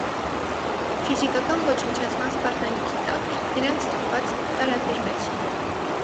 Ֆիզիկական ոչնչացման սպառնալիքի տակ նրանք ստիպված տարագրվեցին։